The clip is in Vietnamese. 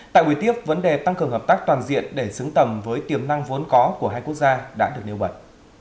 tại buổi tiếp vấn đề tăng cường hợp tác toàn diện để xứng tầm với tiềm năng vốn có của hai quốc gia đã được nêu bật